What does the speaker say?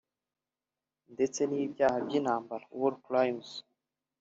ndetse n’ibyaha by’intambara (war crimes)